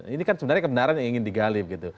ini kan sebenarnya kebenaran yang ingin digalip gitu